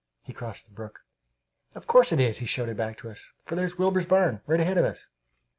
He crossed the brook. "Of course it is!" he shouted back to us, "for there's Wilbur's barn right ahead of us!"